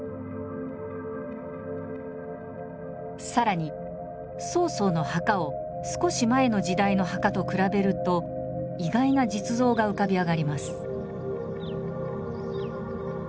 更に曹操の墓を少し前の時代の墓と比べると意外な実像が浮かび上がります。